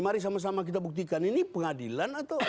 mari sama sama kita buktikan ini pengadilan atau